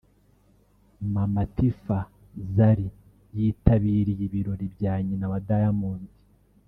Mama Tiffah [Zari] yitabiriye ibirori bya nyina wa Diamond